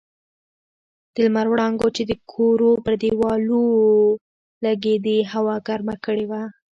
د لمر وړانګو چې د کورو پر دېوالو لګېدې هوا ګرمه کړې وه.